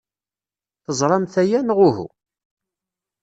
Teẓramt aya, neɣ uhu?